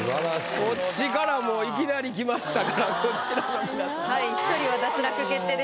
こっちからもういきなりきましたからこちらの皆さん。